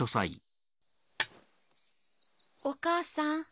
お母さん。